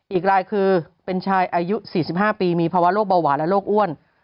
อีกรายคือเป็นชายอายุ๔๕ปีมีภาวะโรคเบาหวานและโรคอ้วน